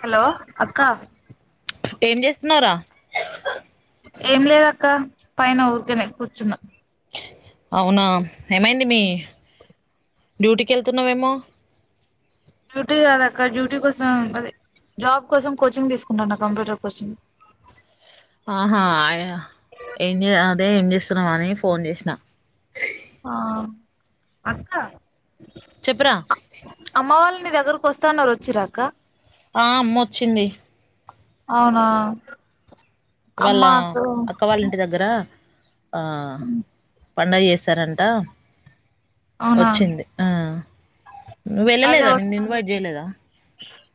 Hello అక్క ఏం జేస్తున్నావరా ఏం లేదక్క పైన ఊరికనే కూర్చున్నా అవునా ఏమైంది మీ డ్యూటీకి వెళ్తున్నావేమో డ్యూటీ గాదక్క డ్యూటీ కోసం అ జాబ్ కోసం కోచింగ్ తీసుకుంటాన్న కంప్యూటర్ కోచింగ్ ఆహా ఏం జే అదే ఏం జేస్తున్నాం అని ఫోన్ చేసినా ఆ అక్క చెప్పురా అమ్మ వాళ్ళు నీ దగ్గరకు వస్తాన్నారు వచ్చిరాక ఆ అమ్మ వచ్చింది అవునా వాళ్ళ అమ్మకు అక్క వాళ్ళ ఇంటి దగ్గర ఆ పండుగ చేశారంట అవునా వచ్చింది ఆ నువ్వు అదే వెళ్ళలేదా నిన్ను వస్తాను ఇన్వైట్ చేయలేదా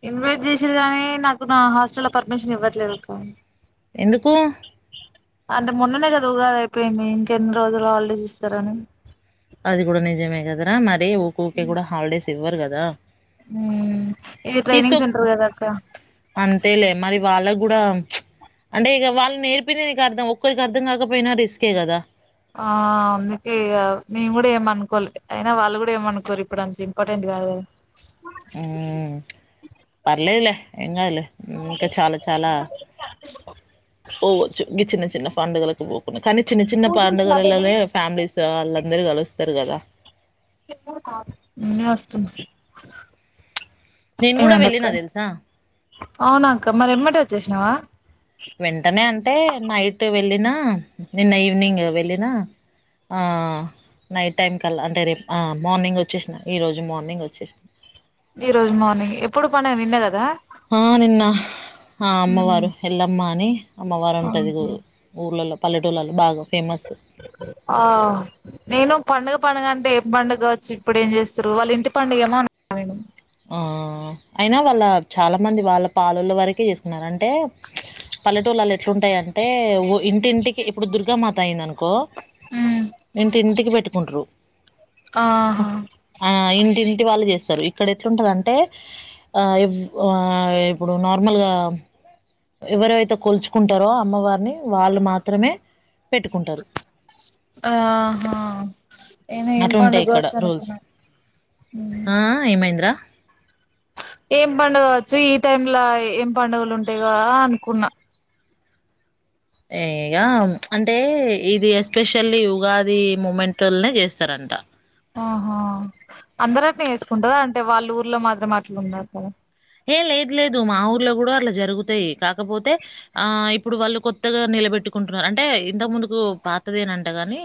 ఇన్వైట్ చేసేది కాగానీ నాకు నా హాస్టల్ లో పర్మిషన్ ఇవ్వట్లేదు కానీ ఎందుకు అంటే మొన్ననే కదా ఉగాది అయిపోయింది ఇంకెన్ని రోజులు హాలిడేస్ ఇస్తారని అది కూడా నిజమే కదరా మరి ఊకకే కూడా హాలిడేస్ చివ్వరు కదా ఇది తీసుకో ట్రైనింగ్ సెంటర్ కదా అక్క వాళ్ళకి కూడా అంటే ఇక వాళ్ళు నేర్పినదిక అర్థం ఒక్కరికి అర్థం కాకపోయినా రిస్కే కదా ఆ అందుకే నేను కూడా ఏమనుకోవాలి అయినా వాళ్ళు కూడా ఏమనుకోరు ఇప్పుడు అంత ఇంపార్టెంట్ కాద పలేల ఎంగాల ఇంకా చాలా చాలా పోవచ్చు ఇ చిన్న చిన్న పండగలే పోకు కానీ చిన్న చిన్న పండుగలలనే ఫ్యామిలీస్ వాళ్ అందరు కలుస్తారు కదా మ వస్తుంది నేను కూడా ఏమైంది అక్క వెళ్ళిన తెలుసా అవునా అక్క మరి ఎమ్మట వచ్చేసినావా వెంటనే అంటే నైట్ వెళ్ళినా నిన్న ఈవినింగ్ వెళ్ళినా నైట్ టైం కల్లా అంటే రేపు మార్నింగ్ వచ్చేసిన ఈరోజు మార్నింగ్ వచ్చేసినా ఈ రోజు మార్నింగ్ ఎప్పుడు పన నిన్న కదా ఆ నిన్న ఆ అమ్మవారు ఎలమ్మనే అమ్మవారు ఉంటుంది ఊళ్ళలో పలెటూళ్ళలో బాగా ఫేమస్. ఆ నేను పడుగ పడుగ అంటే పండుగ కావచ్చు ఇప్పుడు ఏం చేస్తారు వాళ్ళ ఇంటి పండుగ ఏమో అంటన్నా నేను ఆ అయినా వాళ్ళ చాలా మంది వాళ్ళ పలుల వరకే చేసుకున్నారండి అంటే పల్లెటూళలు ఎట్లుంటాయండి అంటే ఇంటింటికి ఇప్పుడు దుర్గా మాత అయింది అనుకో ఉమ్ ఇంటింటికి పెట్టుకుంట్రు ఆహా ఇంటి వాళ్ళు చేస్తారు ఇక్కడ ఎట్లుంటుందంటే ఇప్పుడు నార్మల్గా ఎవరవైతే కొల్చుకుంటారో అమ్మవారిని వాళ్ళు మాత్రమే పెట్టుకుంటారు ఆహా నేను ఏం అటు ఉంటాయి పండుగ ఇక్కడ కావచ్చు రూల్స్ అనుకున్నా ఆ ఏమైంద్రా ఏం పడుగ కావచ్చు ఈ టైమ్లా ఏం పండుగలు ఉంటాయి కదా అనుకున్నా గ అంటే ఇది ఎస్పెషల్లీ యుగాది మూమెంట్లనే చేస్తారంట ఆహా అందర అట్ని వేసుకుంటారా అంటే వాళ్ళ ఊర్లో మాత్రం అట్లా ఉన్నారు కదా ఏ లేదు లేదు మా ఊర్లో కూడా అట్లా జరుగుతాయి కాకపోతే ఆ ఇప్పుడు వాళ్ళు కొత్తగా నిలబెట్టుకుంటున్నారు అంటే ఇంతకు ముందుకు పాతదేనంట గాని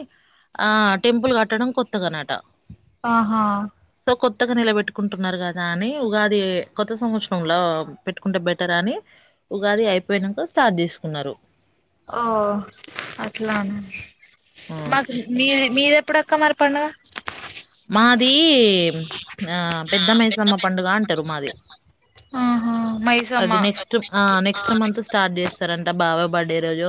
ఆ టెంపుల్ కట్టడం కొత్తగా అనట ఆహా సో కొత్తగా నిలబెట్టుకుంటున్నారు కదా అని ఉగాది కొత్త సంవత్సరలా పెట్టుకుంటే బెటర్ అని ఉగాది అయిపోయినాక స్టార్ట్ చేసుకున్నారు ఓ అట్లానే ఆ మాకు మీ మీద అప్పుడుక్క మరి పండగ మాది ఆ పెద్ద మైసమ్మ పండుగ అంటారు మాది ఆహా మైసమ్మ అది నెక్స్ట్ ఆ నెక్స్ట్ మంత్ స్టార్ట్ చేస్తారంట బావా వాడ్డే రజో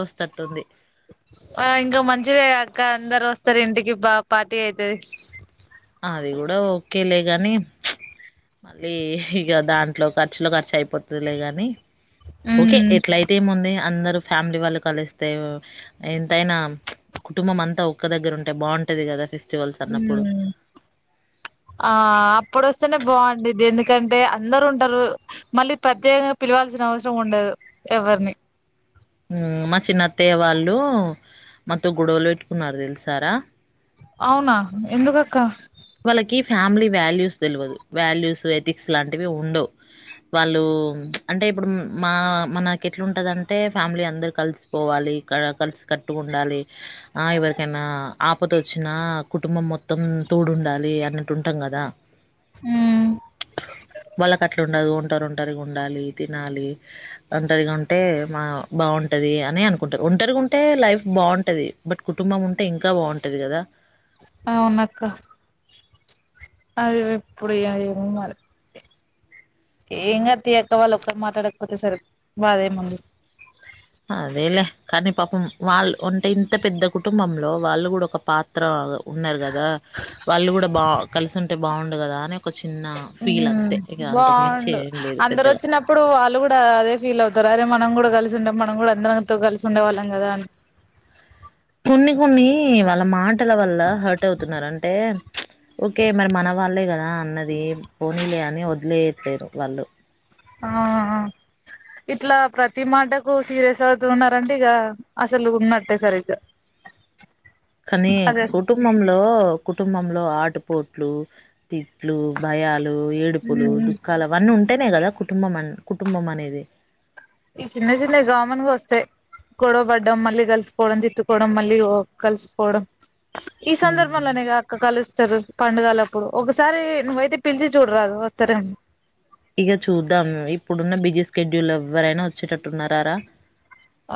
ఆ ఇంకా మంచిదే అక్క అందరు వస్ట్ స్తారు ఇంటికి బా పార్టీ అవుతుది అది కూడా ఓకేలే కానీ మళ్ళీ ఇక దాంట్లో ఖర్చులో ఖర్చు అయిపోతుందిలే కానీ ఓకే ఉమ్ ఎట్లయితే ఏముంది అందరు ఫ్యామిలీ వాళ్ళు కలిస్తే ఎంతైనా కుటుంబం అంతా ఒక్క దగ్గర ఉంటే బాగుంటది కదా ఫ ఫెస్టివల్స్ అన్నప్పుడు ఉమ్ ఆ అప్పుడువస్తేనే బాగుంది ఎందుకంటే అందరు ఉంటారు మళ్ళీ ప్రత్యేకంగా పిలవాల్సిన అవసరం ఉండదు ఎవరిని మా చిన్నత్తయ్య వాళ్ళు మాతో గొడవలు పెట్టుకున్నారు తెలుసారా అవునా ఎందుకక్క వాళ్ళకి ఫ్యామిలీ వాల్యూస్ తెలియదు వాల్యూస్ ఎథిక్స్ లాంటివి ఉండవు వాళ్ళు అంటే ఇప్పుడు మా మనకు ఎట్లాంటదింటే ఫ్యామిలీ అందరు కలిసి పోవాలి కలిసి కట్టు ఉండాలి ఆ ఎవరికైనా ఆపదొచ్చినా కుటుంబం మొత్తం తోడుండాలి అన్నట్టు ఉంటాం కదా ఉమ్ వాళ్ళకుట్లా ఉండదు ఉ ఒంటారు ఒంటరిగా ఉండాలి తినాలి ఒంటరిగా ఉంటే మా బాగుంటది అని అనుకుంటారు ఒంటరిగా ఉంటే లైఫ్ బాగుంటది బట్ కుటుంబం ఉంటే ఇంకా బాగుంటది కదా అవునుక్క అదిప్పుడు ఏమో మరి ఏంగాదు తీయక వాళ్ళు ఒక్క మాట్లాడకపోతే సరే బాధే ముందు అదేలే కానీ పాపం వాళ్ళు అంటే ఇంత పెద్ద కుటుంబంలో వాళ్ళు కూడా ఒక పాత్ర ఉన్నారు కదా వాళ్ళు కూడా బాగా కలిసింట టె బాగుండు కదా అని ఒక చి హ్మ్ బాగుండు ఏం లేదు అందరు పెద్దగా వచ్చినప్పుడు వాళ్ళు కూడా అదే ఫీల్ అవుతారు అరే మనం కూడా కలిసి కలిసి ఉండే మనం కూడా అందరితో కలిసి ఉండే వాళ్ళం కదా అని కొన్ని కొన్ని వాళ్ళ మాటల వల్ల హర్ట్ అవుతున్నారు అంటే ప్చ్ ఓకే మరి మన వాళ్ళే కదా అన్నది పోనీలే అని వదిలేయట్లేదు వాళ్ళు ఆ ఆ ఇట్లా ప్రతి మాటకు సీరియస్ అవుతూ ఉన్నారంటడి ఇగ అసలు ఉన్నట్టే సరిగ్గా కానీ అదే కుటుంబంలో కుటుంబంలో ఆటుపోట్లు తిట్లు, భయాలు, ఏడుపులు, ఉమ్ దుఃఖాలు, అవన్నీ ఉం అంటేనే కదా కుటుంబం కుటుంబం అనేది ఈ చిన్న చిన్నవి కామన్ వస్తాయి. గొడవ పడ్డం మళ్ళీ కలిసిపోవడం, తిట్టుకోవడం మళ్ళీ కలిసిపోవడం ఈ హ్మ్ సందర్భంలోనే అక్క కలస్ వస్తారు పండుగలప్పుడు ఒకసారి నువ్వైతే పిలిచి చూడరాదు వస్తారెమో ఇగా చూద్దాం. ఇప్పుడున్న బిజీ స్కెడ్యూల్ ఎవరైనా వచ్చేటట్టున్నారారా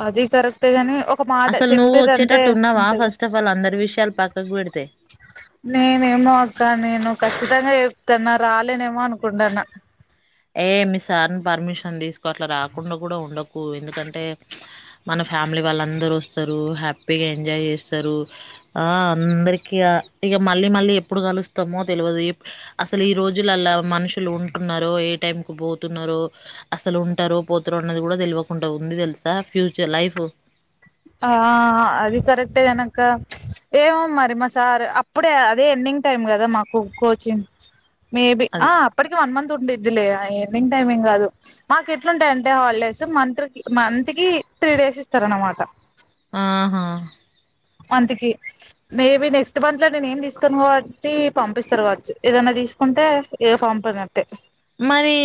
అది కరెక్టేగాని ఒక మాట అసలు నువ్వు చెప్పేది అంటే వచ్చేటట్టు ఉన్నావా ఉంటంది. ఫస్ట్ ఆఫ్ ఆల్ అందరి విషయాలు పక్కకు పెడితే నేనేమో అక్క నేను ఖచ్చితంగా తన్నా రాలేనేమో అనుకుంటనా ఏ మీ సార్ని పర్మిషన్ తీసుకో అట్లా రాకుండా కూడా ఉండకు. ఎందుకంటే మన ఫ్యామిలీ వాళ్ళు అందరు వస్తారు. హ్యాపీగా ఎంజాయ్ చేస్తారు. ఆ అందరికిీ ఇక మళ్ళీ మళ్ళీ ఎప్పుడు కలుస్తామో తెలియదు. అసలు ఈ రోజుల్లాల మనుషులు ఉంటున్నారో ఏ టైం కు పోతున్నారు. అసలు ఉంటారు. పోతారో అన్నది కూడా తెలియకుండా ఉంది. తెలుసా ఫ్యూచర్ లైఫ్ ఆ అది కరెక్టే కానీ అక్క ఏమో మరి మా సార్ అప్పుడే అదే ఎండింగ్ టైమ్ కదా మాకు కోచింగ్ మేబి ఆ అది అప్పటికి వన్ మంత్ ఉండిది. ఇదిలే ఏడింగ్ టైమింగ్ కాదు మాకు, ఎట్లుంటాయింటే హాలిడేస్ మంత్ మంత్ కి త్రీ డేస్ ఇస్తార అనమాట ఆహా మంత్ కి మేబి నెక్స్ట్ మంత్ లో నేను ఏమి తీసుకోను కాబట్టి పంపిస్తారు కావచ్చు. ఏదన్నా తీసుకుంటే ఏదో పంపన్నాట్టే మరి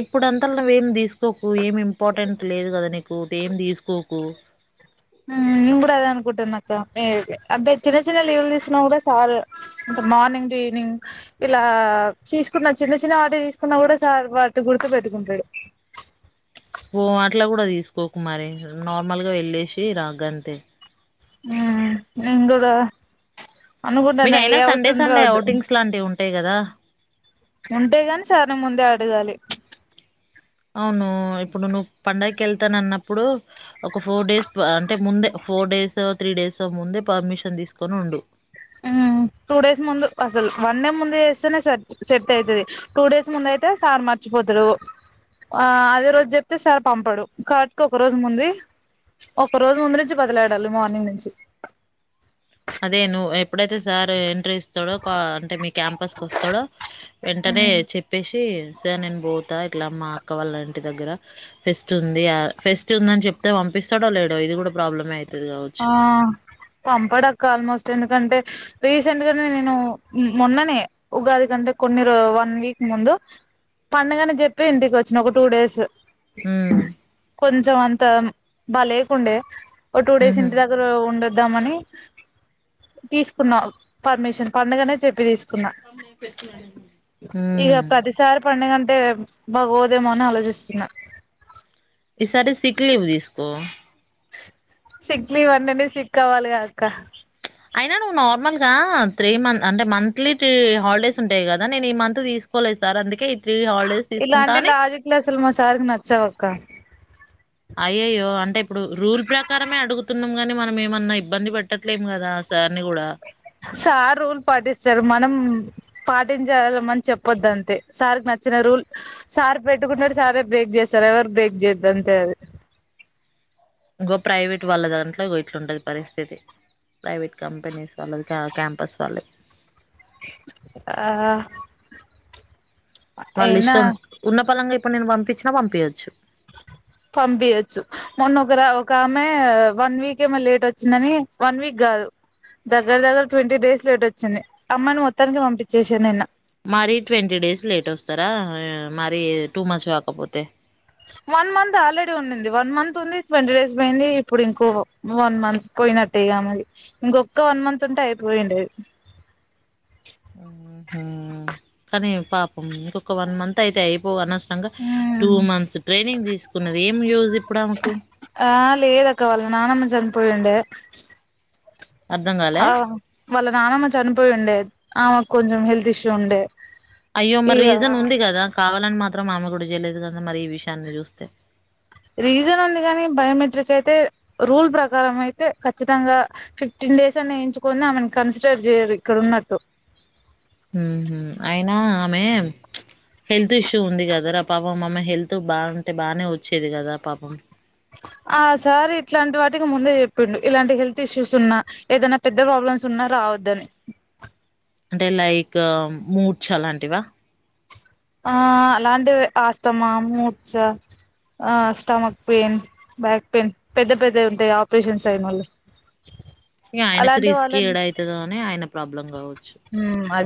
ఇప్పుడుంతా నువ్వేమి తీస్ తీసుకోకు ఏమి ఇంపార్టెంట్ లేదు కదా నీకు నువ్వు ఏం తీసుకోకు నేను కూడా అదే అనుకుంటున్నా అక్క అంటే చిన్న చిన్న లీవులు తీసున్నా కూడా సార్ అంటే మార్నింగ్ టు ఈవినింగ్ ఇలా తీసుకున్న చిన్న చిన్న వాటి తీసుకున్నా కూడా సార్ వాటిని గుర్తు పెట్టుకుంటాడు. ఓ అట్లా కూడా తీసుకోకు మరి నార్మల్గా వెళ్ళేసి రా గంతే హ్మ్ నేను కూడా అనుకుంటాన ఏ అవసరం రావద్దు. ఉంటాయ్ కదా ఉంటేగాని సార్ ముందే అడగాలి. అవును ఇప్పుడు నువ్ పండగకి వెళ్తానా, అన్నప్పుడు ఒక ఫోర్ డేస్ అంటే ముందే ఫోర్ డేస్ త్రీ డేస్ ముందే పర్మిషన్ తీసుకొని ఉండు. హ్మ్ టూ డేస్ ముందు అసలు వన్ డే ముందు చేస్తేనే సార్ సేట్ అయితది. టూ డేస్ ముందు అయితే సార్ మర్చిపోతాడు. ఆ అదే రోజు చెప్తే సార్ పంపాడు. కాబట్టి ఒక రోజు ముందు ఒక రోజు ముందు నుంచి బదిలాడాలి మార్నింగ్ నుంచి అదే నువ్వు ఎప్పుడైతే సార్ అంటే మీ క్యాంపస్ వస్తాడో వెంటనే చెేపే సేయ్ సే నేను బోతా ఇట్లా మా అక్క వాళ్ళ ఇంటి దగ్గర ఫెస్ట్ ఉంది. ఫెస్ట్ ఉంద అని చెప్తే పంపిస్తాడో లేడో ఇది కూడా ప్రాబ్లమ అయి ఆ పంపడాక్క ఆల్మోస్ట్ ఎందుకంటే రీసెంట్ గానే నేను మొన్ననే ఉగాది, కంటే కొన్ని వన్ వీక్ ముందు పండగనే చెప్పి ఇంటికి వచ్చిన ఒక టూ డేస్ హ్మ్ కొంచెం అంత బాలేకుండే ఒక టూ ఉహు ఇంటి దగ్గర ఉండదు. ఉద్దామని తీసుకున్నా పర్మిషన్ పండగనే చెప్పి తీసు ఇగా ఉమ్ ప్రతిసారి పండుగ అం టే భగోదేమో అని ఆలోచిస్తున్న ఈ సారి సిక్ లీవ్ తీసుకో సిక్ లీవ్ అంటనే సిక్ అవాలిగా అక్క అయినా నువ్వు నార్మల్ గా త్రీ మన్ అంటే మంత్లీ టీ హాలిడేస్ ఉంటాయి కదా నేను ఈ మంత్ తీసుకోలేదు సార్ అందుకే త్రీ హాలిడేస్ తీసుకుంటా ఇలాంటి అని లాజిక్ లసలు మా సారుకి నచ్చవక్క అయ్యయ్యో అంటే ఇప్పుడు రూల్ ప్రకారమే అడుగుతున్నం గాని మనం ఏమన్నా ఇబ్బంది పెట్టట్లేం కదా ఆ సార్ ని కూడా సార్ రూల్ పాటిస్తారు మనం పాటించాలమని చెప్పొద్దంతే సార్ కి నచ్చిన రూల్ సార్ పెట్టుకుంటడు సారే బ్రేక్ చేస్తారు ఎవరు బ్రేక్ చేయద్దంతే అది ఇంకో ప్రైవేట్ వాళ్ళ దాంట్లో ఇగొ ఇట్లంటది పరిస్థితి ప్రైవేట్ కంపెనీస్ వాళ్ళది కా క్యాంపస్ వాళ్ళది ఆహా వాళ్ళిష్టం ఉన్న ఫలంగా ఇప్పుడు నిన్ను పంపిచ్చినా పంపియచ్చు పంపియచ్చు మొన్న ఒకరు ఒక ఆమె వన్ వీక్ ఏమో లేట్ వచ్చిందని వన్ వీక్ కాదు దగ్గర దగ్గర ట్వంటీ డేస్ లేట్ వచ్చింది అమ్మాయిని మొత్తానికి పంపిచ్చేసిర్రు నిన్న మరీ డేస్ లేటొస్తారా? ఆహ్, మరీ టూ మచ్ కాకపోతే వన్ మంత్ ఆల్రెడీ ఉన్నింది వన్ మంత్ ఉంది ట్వంటీ డేస్ పోయింది ఇప్పుడు ఇంకో వన్ మంత్ పోయినట్టేగామది ఇంకొక్క వన్ మంత్ ఉంటే అయిపోయిండే ఉమ్మ్ కానీ పాపం ఇంకొక్క వన్ మంత్ అయితే అయిపో అనస్ తంగ టూ అయిపోయిండేది మంత్స్ ట్రైనింగ్ తీసుకున్నది ఏం యూజ్ ఇప్పుడు ఆమెకు పోయిండే అర్థం ఆ గాలే? వాళ్ళ నానమ్మ చనిపోయి ఉండేది ఆమె కొంచెం హెల్త్ ఇష్యూ ఉండే అయ్యో మరి ఇగ రీజన్ ఉంది కదా కావాలని మాత్ త్రం మామ కూడా చేయలేదు కద మరి ఈ విషయాన్ని చూస్తే రీజన్ ఉంది కాని బయోమెట్రిక్ అయితే రూల్ ప్రకారం అయితే ఖచ్చితంగా ఫిఫ్టీన్ డేస్ అని వేయించుకొని ఆమెను కన్సిడర్ చేయరు ఇక్కడ ఉన్నట్టు ఊహు అయినా ఆమె ప్చ్ హెల్త్ ఇష్యూ ఉంది కదరా పాపం మామ్మె హెల్త్ బాగుంటే బానే వచ్చేది కదా పాపం ఆ సార్ ఇట్లాంటి వాటికి ముందే చెప్పిండు ఇలాంటి హెల్త్ ఇష్యూస్ ఉన్నా ఏదనా పెద్ద ప్రాబ్లమ్స్ ఉన్నా రావద్దని అంటే లైక్ మూర్చ్ అలాంటివా ఆ అలాంటివి ఆస్తమా మూర్చ ఆ స్టమక్ పెయిన్ బ్యాక్ పెయిన్ పెద్ద పెద్ద ఉంటాయి ఆపరేషన్స్ అయినోళ్లు ఇ ఆయనకి రిస్క్ ఏడ అయితదో అని ఆయన ప్రాబ్లం కావచ్చు ఉమ్ అది